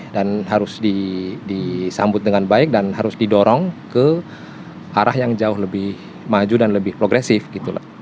dan harus disambut dengan baik dan harus didorong ke arah yang jauh lebih maju dan lebih progresif gitu lah